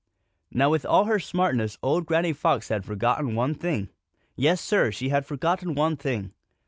Now with all her smartness old Granny Fox had forgotten one thing. Yes, Sir, she had forgotten one thing.